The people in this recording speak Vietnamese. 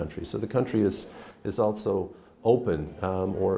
sự tâm hồn và năng lực